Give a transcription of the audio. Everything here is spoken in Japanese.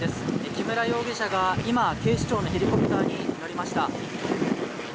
木村容疑者が今、警視庁のヘリコプターに乗りました。